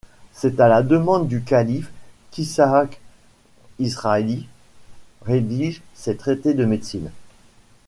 C'est à la demande du calife qu'Isaac Israeli rédige ses traités de médecine.